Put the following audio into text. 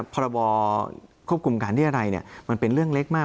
พรบควบคุมการเรียรัยมันเป็นเรื่องเล็กมาก